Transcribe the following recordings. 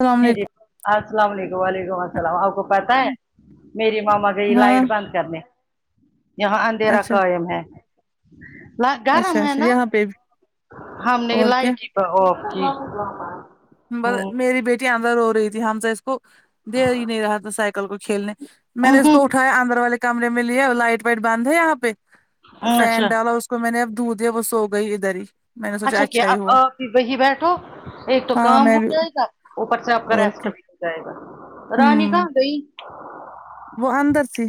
السلام جی جی علیکم السلام علیکم وعلیکم سلام آپ کو پتا ہے میری ماما گئی ہاں لائٹ بند کرنے یہاں اندھیرا اچھا قائم ہے اچھا گرم ہے اچھا نا یہاں پہ بھی ہم نے اور کیا لائٹ ہی آف کی ب میری بیٹی اندر رو رہی تھی حمزہ اس کو دے ہی نہیں رہا تھا سائیکل کو کھیلنے میں نے اس کو اٹھایا اندر والے کمرے میں لیا لائٹ وائٹ بند ہے یہاں پہ فین اچھا ڈالا اس میں نے اب دودھ دیا وہ سو گئی ادھر ہی میں نے سوچا اچھا کیا ہی اب ہوا پھر وہی بیٹھو ایک تو ہاں کام میں ہو بھی جائے گا اوپر سے آپ کا اور ریسٹ کیا بھی ہو جائے گا رانی ہوں کہا گئی وہ اندر تھی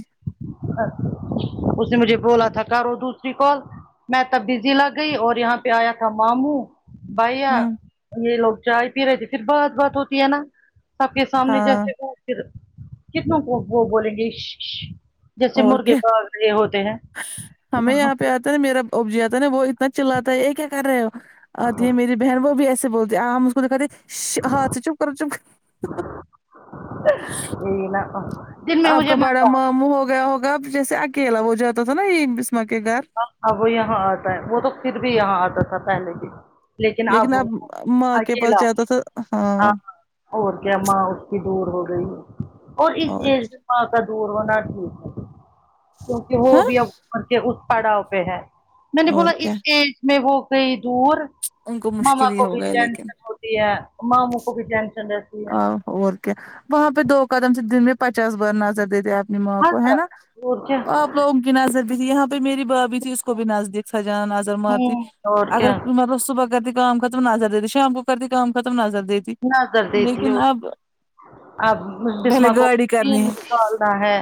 اس نے مجھے بولا تھا کرو دوسری کال میں تب بزی لگ گئی اور یہاں پہ آیا تھا ماموں بھیا ہوں یہ لوگ چائے پی رہے تھے پھر بات بات ہوتی ہے نا سب کے سامنے ہاں جیسے ہو پھر کتنوں کو وہ بولیں گے یش یش اور کیا ہمیں یہاں پہ یہی آتا ہے میرا ابج آتا نا وہ اتنا چلاتا ہے یہ کیا کر رہے ہو آتی ہے میری بہن بو بھی ایسے بولتے ہیں امم اس کو د یکہاتے ہے یش ہاں سے چپ کرو چپ کر یہی نا تو آپ کا بڑا ماموں ہو گیا ہوگا جیسے اکیلا وہ جاتا تھا نا یہ بسما کے گھر ہاں اب وہ یہاں آتا ہے وہ تو پھر بھی یہاں آتا تھا پہلے بھی لیکن اب وہ ماں کے پاس اکیلا جاتا تھا ہاں اور کیا ماں اس کی دور ہو گئی ہے اور اس ایج ماں کا دور ہونا ٹھیک ہے کیونکہ وہ ہاں بھی اب عمر کے اس پڑاؤ پہ ہے میں نے اور بولا اس کیا ایج میں وہ گئی دور ان کو ماما مشکل ہی کو بھی ہو گئے لیکن ٹینشن ہوتی رہتی ہے ماموں کو بھی ٹینشن ره آ اور کیا وہاں پہ دو قدم سے دن میں پچاس بار نظر دیتے آپ نی ماں ہر کو ہے نا طرف اور کیا آپ لوگوں کی نظر بھی تھی یہاں پہ میری بات بھی تھی اس کو بھی نزدیک سجانا نظر مارتی ہوں اور اگر کیا مطلب صبح کر دے کام ختم نظر دیتی شام کو کر تی کام ختم نظر دیتی نظر دیتی لیکن ہو اب اب پہلے بسما کو گاڑی کرنی تین ہے نکالنا ہے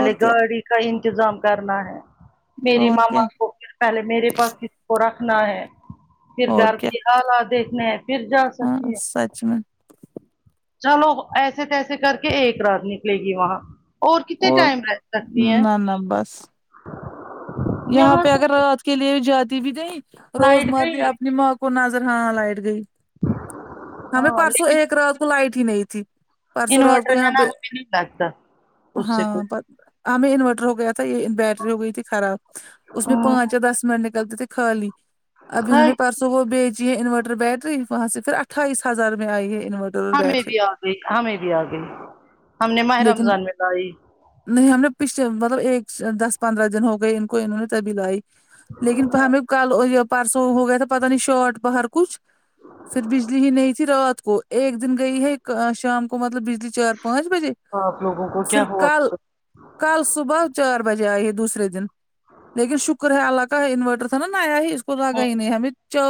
اور کیا گاڑی کا انتظام کرنا ہے میری اور کیا ماما کو پہلے میرے پاس کسی کو رکھنا ہے پھر اور گھر کیا کی حالات دیکھنے ہیں پھر جا ہاں سکتی ہے سچ میں چلو ایسے تیسے کر کے ایک رات نکلے گی وہاں اور کتنے ٹائم ره سکتی ہیں نہ نہ بس یہاں پہ اگر رات کے لیے جاتی بھی نہیں روز لائٹ مرہ گئی اپنی ماں کو کو نظر ہاں لائٹ گئی ہمیں ہاں پرسوں لیکن ایک رات کو لائٹ ہی نہیں تھی پرسوں رات کو انورٹر یہاں ہے نا پہ ہمیں نہیں لگتا اس سے ہاں پر کچھ ہمیں انورٹر ہو گیا تھا یہ بیٹری ہو گئی تھی خراب اس میں ہوں پانچ یا دس منٹ لگتے تھے خالی اب انھوں ہائی نے پرس تو وہ بیچی ہے انورٹر بیٹری وہاں سے پھر اٹھائیس ہزار میں آئی ہے انورٹر اور ہمیں بیٹری بھی آ گئی ہمیں بھی آ گئی ہم نے ماہ لیکن رمضان میں لائی نہیں ہم نے پچھلے مطلب ایک دس پندرہ دن ہو گئے ان کو انہوں نے تبھی لائی لیکن پر ہمیں کل یہ پرسوں ہو گیا تھا پتہ نہیں شاٹ پہ باہر کچھ پھر بجلی ہی نہیں تھی رات کو ایک دن گئی ہے ک شام کو مطلب بجلی چار پانچ بجے آپ لوگوں کو کیا پھر ہوا کل ہوگا کل صبح چار بجے آئے ہے دوسرے دن لیکن شکر ہے اللہ کا ہے انوورٹر تھا نا نیا ہی اس کو ہوں لگاہی نہیں ہمیں جو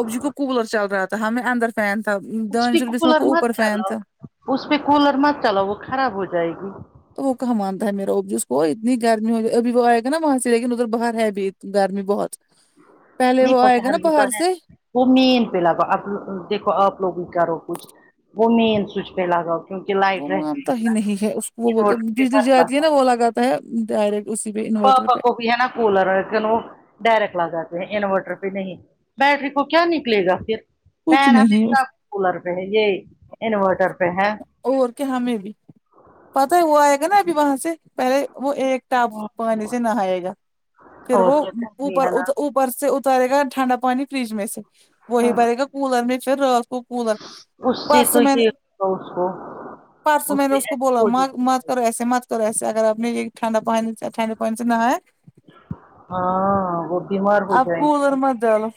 اب جی کو کولر چل رہا تھا تو ہمیں اندر فین تھا اس پہ دانش بس میں کولر کو مت اوپر فین چلاؤ تھا اس پہ کولر مت چلاو وہ خراب ہو جائے گی تو وہ کہاں مانتا ہے میرا وہ بھی اس کو اتنی گرمی ہو گی ابھی وہ آئے گا نا وہاں سے لیکن ادھر باہر ہے ابھی گرمی بہت پہلے نہیں وہ آئے گا نا پکار بھی تو باہر ہے سے وہ مین پہ لگاؤ آپ دیکھو آپ لوگ ہی کرو کچھ وہ مین سوئچ پہ لگاؤ کیونکہ وہ لائٹ رہتی مانتا ہی نا نہیں ہے اس کو وہ بول انورٹر پہ بجلی مت جاتی ہے لگاؤ نا وہ لگاتا ہے ڈائریکٹ اسی پہ انورٹر پاپا پہ کو بھی ہے نا کولر لیکن وہ ڈائریکٹ لگاتے ہیں انورٹر پہ نہیں بیٹری کو کیا نکلے گا پھر کچھ فین نہیں ہمیشہ اس کولر پہ ہے یہ انورٹر پہ ہے اور کہ ہمیں بھی پتہ ہے وہ آئے گا نا ابھی وہاں سے پہلے وہ ایک ٹپ پانی سے نہائے گا پھر اور وہ کیا گرمی اوپر ہے نا ادھر پر سے اتارے گا ٹھنڈا پانی فریج میں سے وہی بھرے گا کولر میں پھر رات کو کولر اس سے پرسوں میں نے تو اسکو پرسوں میں نے اس کو بولا م کرو ایسے مت کرو ایسے اگر آپ نے یہ ٹھنڈا پانی ٹھنڈے پانی سے نہیا ہاں وہ بیمار ہو آپ جائیں کولر گے مت ڈالو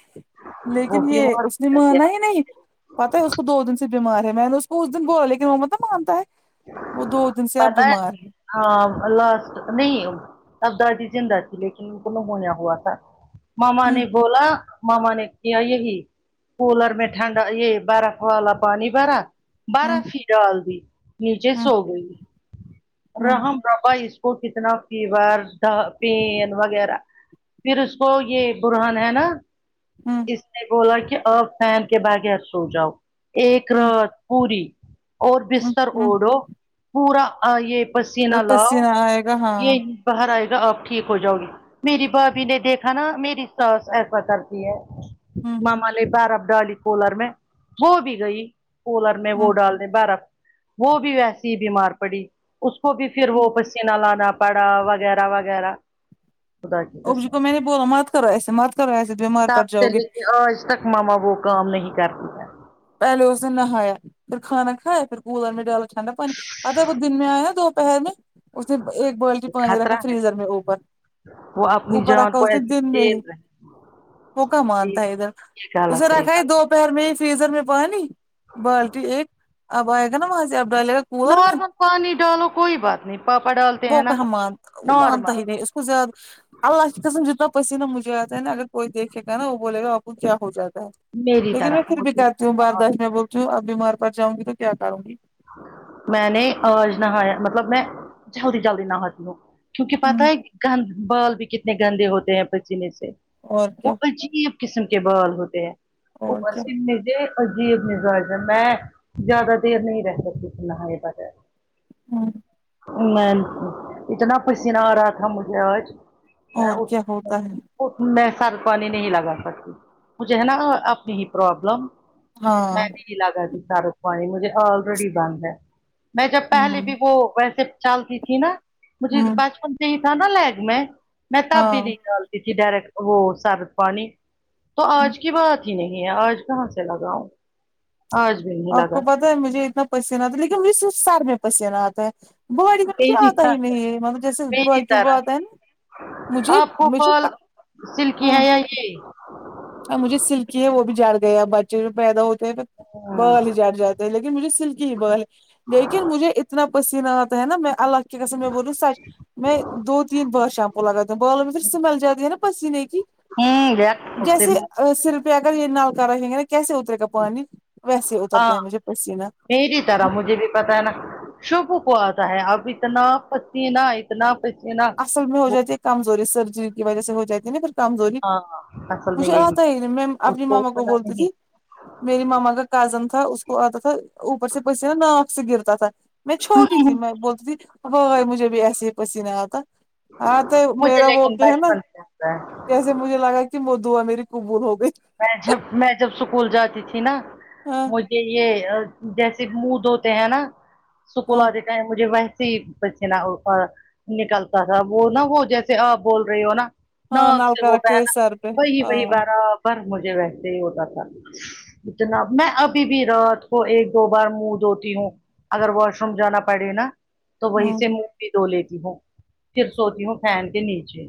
وہ لیکن یہ بیمار اس نے ہو مانا گیا ہی نہیں پتا ہے اس کو دو دن سے بیمار ہے میں نے اس کو اس دن بولا لیکن وہ مطلب مانتا ہے وہ دو دن سے اب بیمار ہے ہاں اللہ اس نہ اب دادی جان زندہ تھی لیکن ان کو نہ ہویا ہوا تھا ماما ہوں نے بولا ماما نے کیا یہی کولر میں ٹھنڈا یہ بارف والا پانی بھرا ہوں برف ہی ڈال دی نیچے ہوں سو گئی ہوں رحم بابا اس کو کتنا فیور پین وغیرہ پھر اس کو یہ برہن ہے نا ہاں اس نے بولا کہ اپ فین کے بغیر سو جاؤ ایک ہوں رات پوری اور بستر ہوں اوڑو پورا یہ ہوں پسیینہ لاؤ پسینہ آئے گا ہاں یہ بر آئے گا آپ ٹھیک ہو جاؤ گے میری بھابی نے دیکھا نا میری ساس ایسا کرتی ہے ہوں ماما نے برف ڈالی کولر میں ہو بھی گئی کولر میں ہوں وہ ڈال دے برف وہ بھی ویسی ہی بیمار پڑی اس کو بھی پھر وہ پسینہ لانا پڑا وغیرہ وغیرہ خدا کی ابو جی قسم کو میں نے بول مت کرو ایسے مت کرو ایسے بیمار پڑ تب جاؤ سے گے لے کے آج تک ماما وہ کام نہیں کرتی ہے پہلے اس د نےن نہایا پھر کھانا کایا پھر کووللر میں ڈالا ٹھنڈا پانی آتاا وہ دن میں آیا دوپہر میں اس نے ایک بالٹی پانی رکھا خطرہ ہے فریزر میں اوپر وہ اپنی اوپر جان رکھا کو اسنے ایسے دن میں ہی کھیل رہے وہوکا ہیں مانتا ہے ادھر یہ اسے غلط یہ رکھا ہے غلط دوپہر میں فریزر میں پانی بالٹی ایک اب آئے گا نا وہاں سے اب ڈالے گا ہے۔ کولر میں نارمل پانی ڈالو کوئی بات نہیں پاپا ڈالتے وہ ہیں نا کہمان وہ مانتا نارمل ہی نہیںے اس کو زیا اللہ کی قسم جتنا پسینہ مجھے آتا ہے نا اگر کوئی دیکھے گا نا وہ بولے گا باپو کیا ہو جاتا ہے میری لیکن میں طرح پھر بھی مجھے کرتی ہوں بارداشت میں بولتی ہوں اب بھی مار پڑ جاؤں گی تو کیا کروں گی میں نے آج نہایا مطلب میں جلدی جلدی نہتی ہوں کیونکہ پتہ ہوں ہے گند بال بھی کتنے گندے ہوتے ہیں پسینے سے اور کیا وہجیب قسم کے بال ہوتے ہیں اور اوپر کیا سے اتنے عجیب مزاج ہے میں زیادہ دیر نہیں رہ سکتی تھی نہاے بگیر ہاں میں اتنا پسینہ آ رہا تھا مجھے آج میں اور اٹھ کیا ہوتا ہے اٹھ میں سر پانی نہیں لگا سکتی مجھے ہے نا اپنی ہی پرابلم ہاں میں بھی نہیں لگا کہ سار پے پانی مجھے آلریڈی بند ہے میں جب پہلے ہوں بھی وہ ویسے چلتی تھی نا مجھے ہوں بچپن صیح تھا نا لائگ میں تب بھی ہاں نہیں ڈالتی تھی ڈائریکٹ وہ سر پانی تو آج کی بات ہی نہیں ہے آج کہاں سے لگاؤں آج بھی نہیں آپ لگا کو پتہ ہے مجھے اتنا پسینہ آتا ہے لیکن مجھ س سر میں پسینہ آتا ہے باڈی میں مجھے میری آتا ہی طرح نہیں مطلب جیسے میری باقیوں کو طرح آتا ہے نا مجھے آپ کو مجھے بال کا سلکی ہے یا یہ ہاں مجھے سلکی ہے وہ بھی جھڑ گیا بچے جو پیدا ہوتے ہیں بال ہی جھڑ جاتے ہیں لیکن مجھے سلکی ہی بال لیکن مجھے اتنا پسینہ آتا ہے نا میں الگ ٹھیک ہے سب میں بولوں سچ میں دو تین بار شیمپو لگاتا ہوں بالوں میں سمیل جاتی ہے نا پسینے کی ہوں جا جیسے ا سر پہ اگر یہ نل کا رہیں گے نا کیسے اترے گا پانی ویسے اترتا ہے مجھے پسینہ تیری طرح مجھے بھی پتا ہے نا شبہو کو آتا ہے اب اتنا پسینہ اتنا پسینہ اصل میں ہو وہ جاتی ہے کمزوری سرجری کی وجہ سے ہو جاتی نا پھر کمزوری ہاں اصل میں مجھے یہی آتا ہی نہیں میں اس اپنی ماما کو اتنا بولتی نہیں تھی میری ماما کا کزن تھا اس کو آتا تھا اوپر سے پیسے ناک سے گرتا تھا میں چھوٹی تھی میں بولتی تھی ہائے مجھے بھی ایسے ہی پسینہ آتا ہاں تو مجھے میرا وہ لیکن کیا ہے نا بچپن سے آتا ہے جسے مجھے لگا کہ وہ دعا میری قبول ہو گئی میں جب میں جب اسکول جاتی تھی نا ہاں مج ھے یہ جیسے منہ دھوتے ہیں نا اسکول ہاں والے چاہے مجھے ویسے ہی پسین اف نکلتا تھا وہ نا وہ جیسے آپ بول رہے رہی ہو نا ہاں ناک سے نلکا وہ رکھتے بہنا سر پہ وہی ہاں وہی برابر مجھے ویسے ہی ہوتا تھا اتنا میں ابھی بھی رات کو ایک دو بار منہ دھوتی ہوں اگر واش روم جانا پڑے نا تو وہیں ہوں سے منہ بھی دھو لیتی ہوں پھر سوتی ہوں فین کے نیچے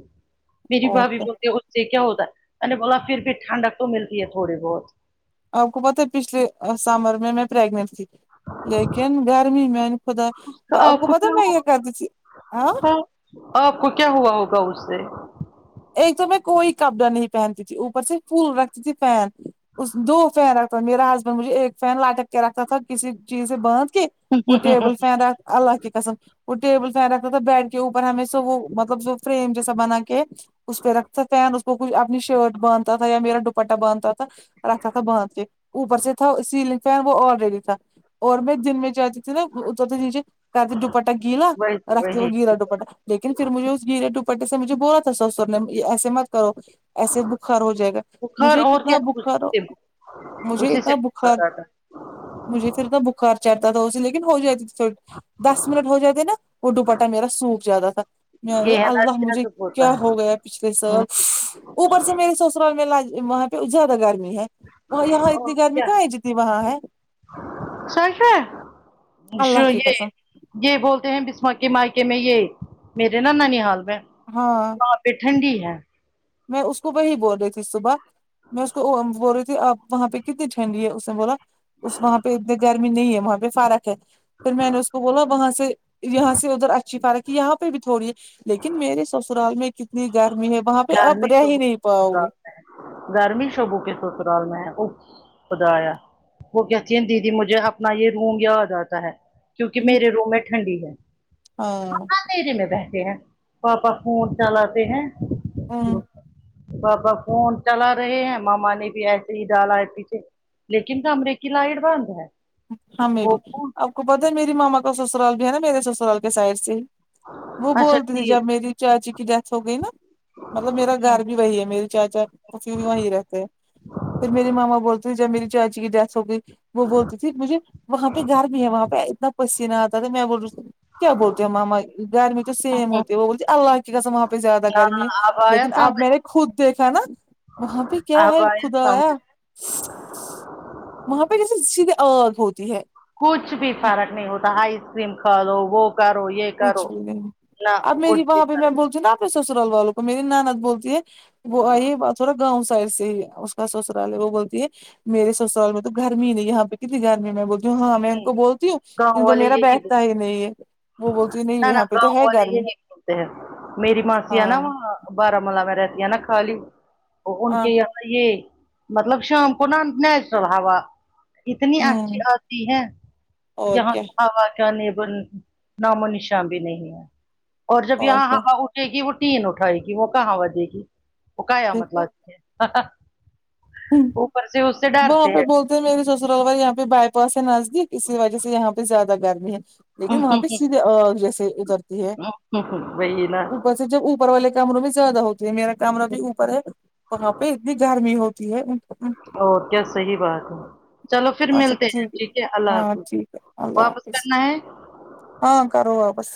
میری اور بھابھی کیا بولتی اس سے کیا ہوتا ہے میں نے بولا پھر بھی ٹھنڈک تو ملتی ہے تھوڑی بہت آپ کو پتا ہے پچھلے سمر میں میں پریگنٹ تھی لیکن گرمی میں خدا آپ کو پتا میں یہ کرتی تھی ہاں ہوگا آپ کو کیا ہوا ہوگا اس سے ایک تو میں کوئی کپڑا نہیں پہنتی تھی اوپر سے فل رکھتی تھی فین اس دو فین رکھتا تھا میرا ہسبینڈ مجھے ایک فین لٹک کے رکھتا تھا کسی چیز سے باندھ کے وہ ٹیبل فین ر اللہ کی قسم وہ ٹیبل فین رکھتا تھا بیڈ کے اوپر ہمیں سے وہ مطلب جو فریم جیسا بنا کے اس پہ رکھتا تھا فین اس پہ کوئی اپنی شرٹ باندھتا تھا یا میرا دوپٹہ باندھتا تھا رکھ تھا باندھ کے اوپر سے تھا سلنگ فین وہ آلریڈی تھا اور میں دن میں جاتتی تھی نا اترتے نیچے کہتی دوپٹا گیلا وہی رکھتی وہ وہی گیلا دوپٹا لیکن پھر مجھے اس گیلیے دوپٹے سے مجھے بولا تھا سسر نے ایسے مت کرو ایسے بخار ہو جائے گا بخار مجھے اور کتنا کیا اسی بخار سے مجھے اسی سے اتنا بخار آتا مجھے پھر اتنا بخار چڑھتا تھا اسے لیکن ہو جاتی تھی دس منٹ ہو جات تھ نا وہ ڈپاٹا میرا سوپ زیادہ تھا ہے یارے یہ ہے نا اللہ مجھے جذب ہوتا کیا ہو ہے پچھلے سال اوپر سے میرے سسرال میں وہاں پہ زیادہ گرمی ہے وہ یہاں اتنی گرمی کہاں ہے جتنی وہاں ہے نشہ اللہ کی یہ قسم [unintelligible] یہ بولتے ہیں بسما کے مائکے میں یہ میرے نا ننیحال میں ہاں یہ ٹھنڈی ہے میں اس کو وہی بول رہی تھی صبح میں اس کو بول رہی تھی اپ وہاں پہ کتنی ٹھنڈی ہے اس نے بولا اس وہاں پہ اتنی گرمی نہیں ہے وہاں پہ فرق پھر میں نے اس کو بولا وہاں سے یہاں سے ادھر اچھی فارک کی یہاں پہ بھی تھوڑی ہے لیکن میرے سسرال میں کتنی گرمی ہے وہاں پھر آپ رہی نہیں پاؤ گے گرمی شبو کے سسرال میں ہے خدایا وہ کہتی ہیں دیدی مجھے اپنا یہ روم یاد آتا ہے کیونکہ میرے رووم میں ٹھنڈی ہے ہاں دھیے میں بیٹتے ہیں پاپا فون چلاتے ہیں ہمم پاپا فون چلا رہے ہیں ماما نے بھی ایسے ہی ڈالا ہے پیچھے لیکن کمرے کی لائٹ بند ہے ہمے وہ بھی آپ کو پتا ہے میری ماما کا سسرال بھی ہے نا میرے سسرال کے سائڈ سے ہی وہ اچھا بولتی تھی ٹھیک جب میری چاچی کی ڈیتھ ہو گئی نا مطلب میرا ہوں گھر بھی وہی ہے میری چاچاف بھی وہیں رہتے ہیں پھر میری ماما بولتے جب میری چاچی کی ڈیتھ ہو گئی ٹھیک مجھے وہاں پہ گھر بھی ہے وہاں پہ اتنا پسینہ آتا تھا م میں بول رہ کیا بولتے ہیں ماما گرمی تو ہوں سیم ہوں، ہوتی ہے وہ بولتی اللہ کی کسم وہاں پہ زیادہ گرمی ہے ہاں اب آیا لیکن اب سمجھ میں نے خود دیکھا نا وہاں کیا ہے اب خدا آیا سمجھ وہاں پہ جیسے سیدھھی اگ ہوتی ہے کچھ بھی فرق نہیں ہوتا آئس کریم کھا لو وہ کرو یہ کرو کچھ بھی نہیں نہ اب کچھ میری بھی وہاں پہ میں فرق بولتی ہوں نا اپنے سسرال والوں کو میری نند بولتی ہے وہ آئی تھوڑا گاؤں سائڈ سے ہی اس کا سسرال ہے وہ بولتی ہے میرے سسال میں تو گرمی ہی نہیں یہاں پہ کتنی گرمی میں بول جو ہاں میں ان نہیں کو بولتی ہوں گاؤں ان کو والے میرا یہی بیٹھتا ہے بولتے ہیں نہیں ہے وہ بولتی ہے نہ نہ یہاں پہ تو گاؤں والے یہ گرمی نہیں بولتے ہیں میری ماسی ہے نا ہاں وہاں بارامولہ میں رہتی ہے نا خالی ان ہاں کے یہ یہ مطلب شام کو ن نیچرل ہوا اتنی اچھی ہوں آتی ہے اور یہاں کیا ہوا کہ نبن نام و نشاں بھی نہیں ہے اور جب یہاں حوا ے گ وہ ین اٹھائے گی وہ کہاں وجے گی وہ کیامٹہ دیکھا لاتی ہیں اوپر سے اس سے وہاں ڈرتے پے ہیں بہت میرے سسرالور یہاں پہ بائی پاس ہے نزدیک اسی وجہ سے یہاں پہ زیادہ گرمی ہے لیکن وہاں پہ سیدھے آگ جیسے اترتی ہے وہی نا اوپر تو جب اوپر والے کمروں میں زیادہ ہوتے یے میرا کامر بھی اوپر ہے وہاں پے اتنی گرمی ہوتی ہے اور کیا صحیح بات ہے چلو پھر ملتے ہیں ٹھیک ہے اللہ ہاں حافظ ٹھیک ہے اللہ واپس حافظ کرنا ہے ہاں کرو واپس